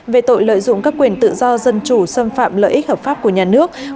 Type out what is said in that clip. về tội lợi dụng các quyền tự do dân chủ xâm phạm lợi ích hợp pháp của nhân